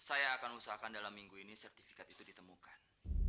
saya akan usahakan dalam minggu ini sertifikat itu ditemukan